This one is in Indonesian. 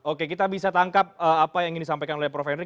oke kita bisa tangkap apa yang ingin disampaikan oleh prof henry